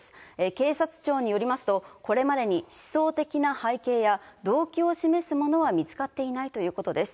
警察庁によりますと、これまでに思想的な背景や、動機を示すものは見つかっていないということです。